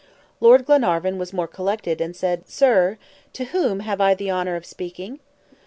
Lord Glenarvan was more collected, and said, "Sir, to whom have I the honor of speaking?"